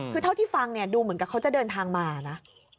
คือเท่าที่ฟังว่าดูเหมือนกับจะด้านทางมานะ